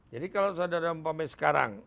jadi kalau saudara umpamanya sekarang